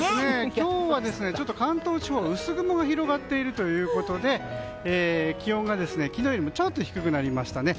今日は関東地方は薄曇が広がっているということで気温が昨日よりもちょっと低くなりましたね。